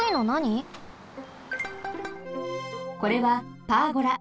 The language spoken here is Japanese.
これはパーゴラ。